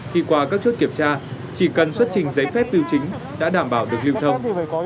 khi qua các chốt kiểm tra chỉ cần xuất trình giấy phép biểu chính đã đảm bảo được lưu thông